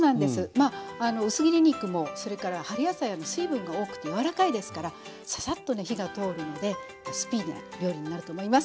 まあ薄切り肉もそれから春野菜も水分が多くて柔らかいですからササッとね火が通るのでスピーディーな料理になると思います。